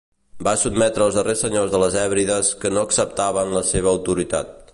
Va sotmetre els darrers senyors de les Hèbrides que no acceptaven la seva autoritat.